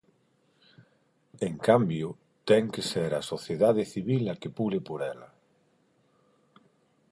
En cambio, ten que ser a sociedade civil a que pule por ela.